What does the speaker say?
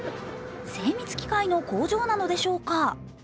精密機械の工場なのでしょうか。